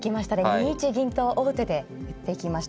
２一銀と王手で打っていきました。